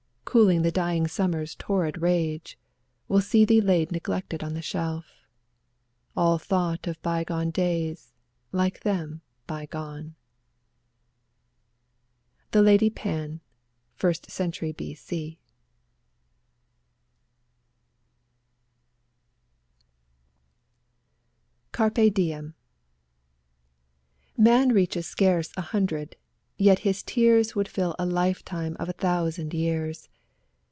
Cooling the dying summer's torrid rage, Will see thee laid neglected on the shelf. All thought of by gone days, like them by gone. The Lady Pan, ist cent. B. C. ^ 20 CARPE DIEM Man reaches scarce a hundred, yet his tears Would fill a lifetime of a thousand years.